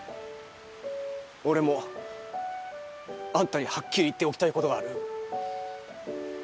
俺もあんたにはっきり言っておきたい事がある。